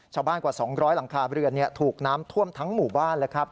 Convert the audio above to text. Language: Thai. ชาวบ้านกว่า๒๐๐หลังคาเรือนถูกน้ำท่วมทั้งหมู่บ้าน